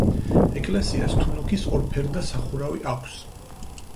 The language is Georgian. ეკლესიას თუნუქის ორფერდა სახურავი აქვს.